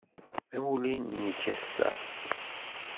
D amulli-nnek ass-a?